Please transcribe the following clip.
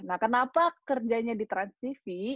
nah kenapa kerjanya di transtv